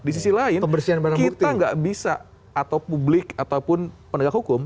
di sisi lain kita tidak bisa atau publik ataupun penegak hukum